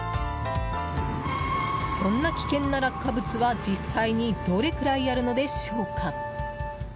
そんな危険な落下物は、実際にどれくらいあるのでしょうか。